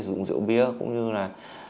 sử dụng rượu bia cũng như là